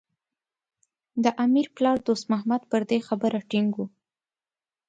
د امیر پلار دوست محمد پر دې خبره ټینګ و.